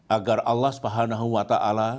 agar allah swt